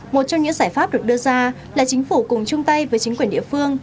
một trong những giải pháp được đưa ra là chính phủ cùng chung tay với chính quyền địa phương